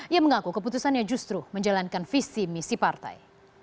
ia mengaku keputusannya justru menjalankan visi misi partai